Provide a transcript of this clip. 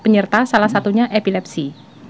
penyerta salah satunya epilepsi